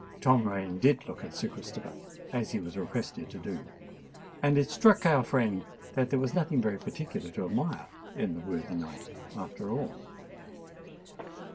Tom Rain did look at Sir Christopher, as he was requested to do; and it struck our friend that there was nothing very particular to admire in the worthy knight after all.